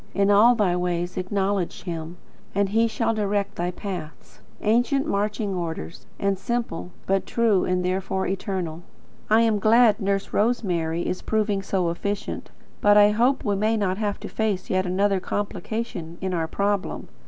In all thy ways acknowledge Him, and He shall direct thy paths." Ancient marching orders, and simple; but true, and therefore eternal. I am glad Nurse Rosemary is proving so efficient, but I hope we may not have to face yet another complication in our problem.